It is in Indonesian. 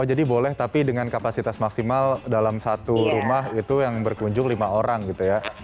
oh jadi boleh tapi dengan kapasitas maksimal dalam satu rumah itu yang berkunjung lima orang gitu ya